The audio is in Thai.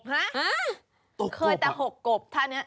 ฮะเคยแต่หกกบท่านี้